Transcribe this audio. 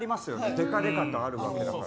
でかでかとあるわけですから。